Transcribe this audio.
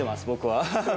僕は。